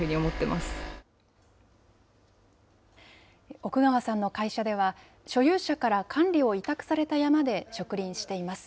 奥川さんの会社では、所有者から管理を委託された山で植林しています。